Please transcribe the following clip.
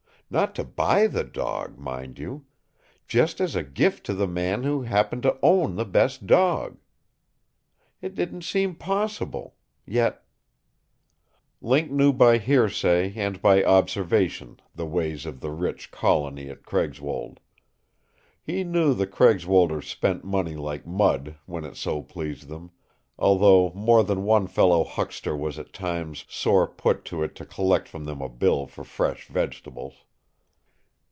Not to BUY the dog, mind you. Just as a gift to the man who happened to own the best dog. It did not seem possible. Yet Link knew by hearsay and by observation the ways of the rich colony at Craigswold. He knew the Craigswolders spent money like mud, when it so pleased them although more than one fellow huckster was at times sore put to it to collect from them a bill for fresh vegetables.